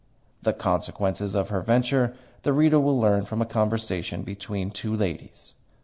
The consequences of her venture the reader will learn from a conversation between two ladies.